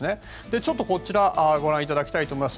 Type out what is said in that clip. ちょっと、こちらご覧いただきたいと思います。